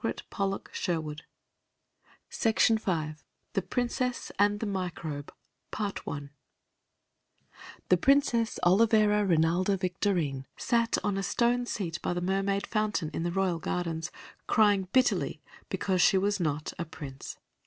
THE PRINCESS AND THE MICROBE THE PRINCESS AND THE MICROBE The Princess Olivera Rinalda Victorine sat on a stone seat by the mermaid fountain in the royal gardens, crying bitterly because she was not a prince.